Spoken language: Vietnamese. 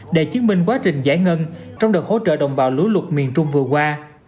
để chứng minh quá trình giải ngân trong đợt hỗ trợ đồng bào lũ lụt miền trung vừa qua